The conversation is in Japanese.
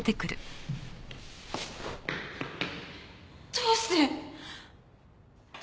どうして！？